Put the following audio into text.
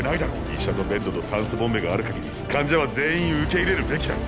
医者とベッドと酸素ボンベがある限り患者は全員受け入れるべきだ。